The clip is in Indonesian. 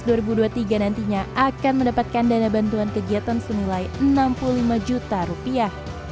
indonesia awards dua ribu dua puluh tiga nantinya akan mendapatkan dana bantuan kegiatan senilai rp enam puluh lima juta